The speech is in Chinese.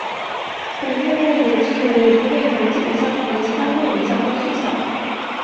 本页内也记述了演出内容基本相同的其他公演的相关事项。